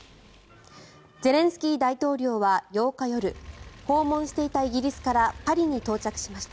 ゼレンスキー大統領は８日夜訪問していたイギリスからパリに到着しました。